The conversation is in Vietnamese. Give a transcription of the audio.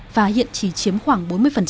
và hiện chỉ chiếm khoảng bốn mươi